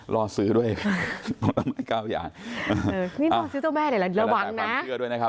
รอซื้อด้วย๙อย่างนี่รอซื้อเจ้าแม่เลยล่ะระวังนะ